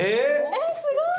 えっすごーい！